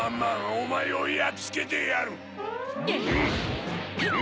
おまえをやっつけてやる！